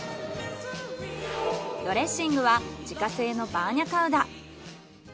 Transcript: ドレッシングは自家製のバーニャカウダ。